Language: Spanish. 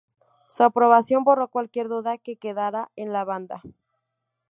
Su aprobación borró cualquier duda que quedara en la banda.